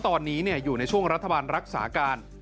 ตอนนี้อยู่ในช่วงรัฐบาลรักษาการ